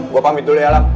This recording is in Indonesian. gua pamit dulu ya alam